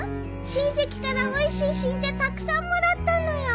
親戚からおいしい新茶たくさんもらったのよ。